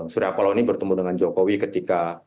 surya paloh ini bertemu dengan jokowi ketika